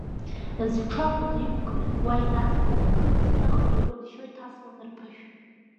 Зҽы ахәда иқәкны уа иназгоз ақыжә, зных, иҟәыншьо, иҭасуан рԥышә.